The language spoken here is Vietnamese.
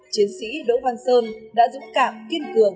chiến sĩ đỗ văn sơn đã dũng cảm kiên cường